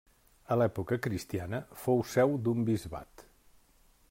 A l'època cristiana fou seu d'un bisbat.